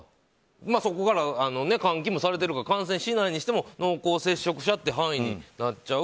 そこから換気もされているから感染しないにしても濃厚接触者って範囲になっちゃう。